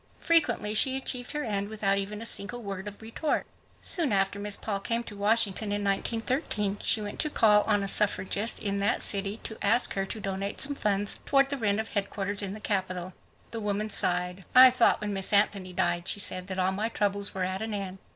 Frequently she achieved her end without even a single word Of retort. Soon after Miss Paul came to Washington in 1913, ;she went to call on a suffragist in that city to ask her to donate ;some funds toward the rent of headquarters in the Capital. The woman sighed. "I thought when Miss Anthony died," she said, "that all my troubles were at an end.